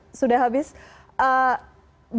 bagaimana kemudian hambatan ini bisa dikonsumsi